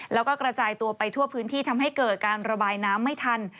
แล้วก็กระจายตัวไปทั่วพื้นที่ทำให้เกิดการระบายน้ำไม่ทัน